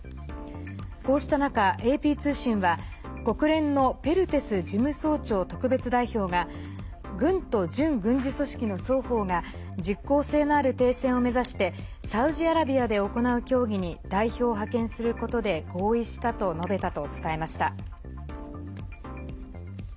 こうした中、ＡＰ通信は国連のペルテス事務総長特別代表が軍と準軍事組織の双方が実効性のある停戦を目指してサウジアラビアで行う協議に代表を派遣することで合意したと述べたと伝えました。